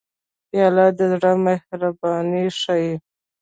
پیاله د زړه مهرباني ښيي.